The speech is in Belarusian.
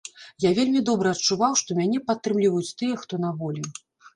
Я вельмі добра адчуваў, што мяне падтрымліваюць тыя, хто на волі.